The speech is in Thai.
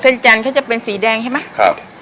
จันทร์เขาจะเป็นสีแดงใช่ไหมครับ